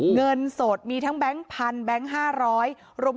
เงินสดมีทั้งแบงค์พันธุ์แบงค์ห้าร้อย